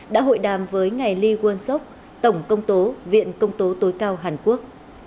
đã hội đàm với ngài lee won sốc tổng công tố viện công tố tối cao hàn quốc